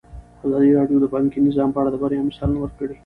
ازادي راډیو د بانکي نظام په اړه د بریاوو مثالونه ورکړي.